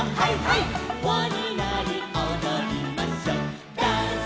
「わになりおどりましょう」